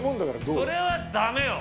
それはだめよ。